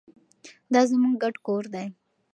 دا زموږ ګډ کور دی.